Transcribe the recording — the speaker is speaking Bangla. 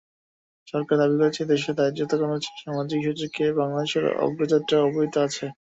সরকার দাবি করছে, দেশে দারিদ্র্য কমেছে, সামাজিক সূচকে বাংলাদেশের অগ্রযাত্রা অব্যাহত আছে।